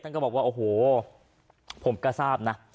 ก็บอกว่าโอ้โหผมก็ทราบนะ